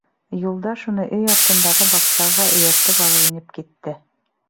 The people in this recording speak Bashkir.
Юлдаш уны өй артындағы баҡсаға эйәртеп алып инеп китте.